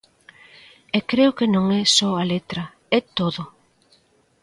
E creo que non é só a letra: é todo.